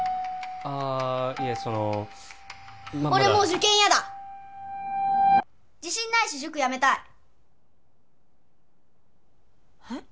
ああいえその俺もう受験嫌だ自信ないし塾やめたいえっ？